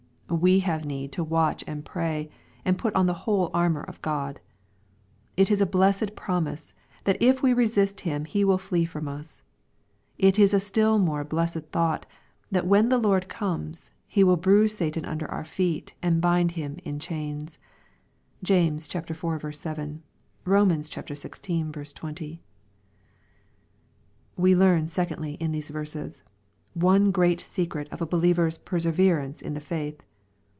We have need to watch and pray, and put on the whole armor of Grod. It is a blessed promise, that if we resist him he will flee from us. It is a still more blessed thought, that when the Lord comes, He will bruise Satan under our feet, and bind him in chains. (James iv. 7 ; Eom. xvi. 20.) We learn, secondly, in these verses, one great secret of a believer^ s perseverance in the faith.